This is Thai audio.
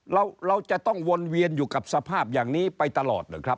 เราจะต้องวนเวียนอยู่กับสภาพอย่างนี้ไปตลอดหรือครับ